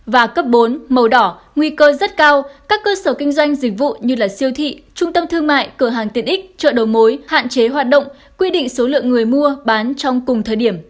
và cấp bốn màu đỏ nguy cơ rất cao các cơ sở kinh doanh dịch vụ như siêu thị trung tâm thương mại cửa hàng tiện ích chợ đầu mối hạn chế hoạt động quy định số lượng người mua bán trong cùng thời điểm